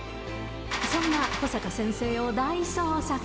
そんな保坂先生を大捜索。